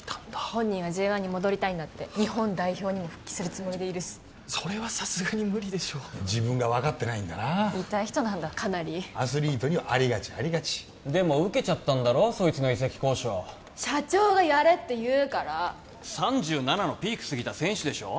本人はＪ１に戻りたいんだって日本代表にも復帰するつもりでいるしそれはさすがに無理でしょ自分が分かってないんだな痛い人なんだアスリートにありがちありがちでも受けちゃったんだろそいつの移籍交渉社長がやれっていうから３７のピーク過ぎた選手でしょ